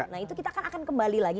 nah itu kita akan kembali lagi